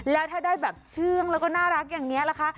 แล้วถ้าได้แบบเชื่องแล้วก็น่ารักอย่างนี้ล่ะคะ